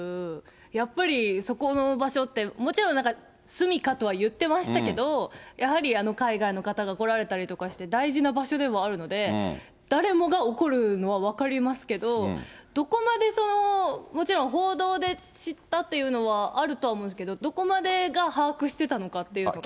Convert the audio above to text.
やっぱりそこの場所って、もちろんなんか、住みかとは言ってましたけど、やはり海外の方が来られたりとかして、大事な場所ではあるので、誰もが怒るのは分かりますけど、どこまで、もちろん報道で知ったというのはあるとは思うんですけど、どこまでが把握してたのかというのが。